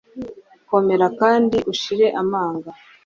komera kandi ushire amanga